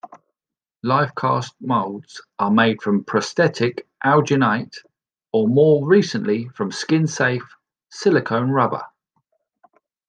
Lifecast molds are made from prosthetic alginate or more recently, from skin-safe silicone rubber.